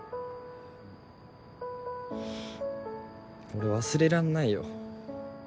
俺忘れらんないよ。